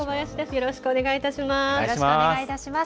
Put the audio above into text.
よろしくお願いします。